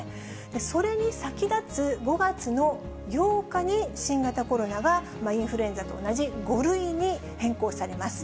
それに先立つ５月の８日に新型コロナがインフルエンザと同じ５類に変更されます。